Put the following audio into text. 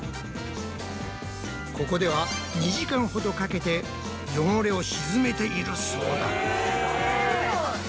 ここでは２時間ほどかけて汚れを沈めているそうだ。